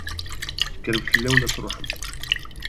Tekkrem fell-awen ad truḥem.